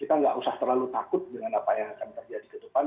kita nggak usah terlalu takut dengan apa yang akan terjadi ke depan